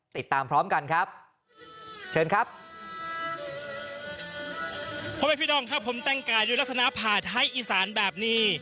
ติดตามพร้อมกันครับ